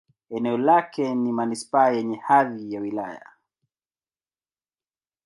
Eneo lake ni manisipaa yenye hadhi ya wilaya.